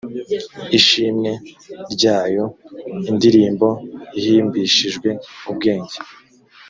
ishimwe ryayo indirimbo ihimbishijwe ubwenge